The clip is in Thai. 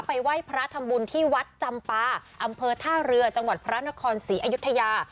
ไหว้พระทำบุญที่วัดจำปาอำเภอท่าเรือจังหวัดพระนครศรีอยุธยา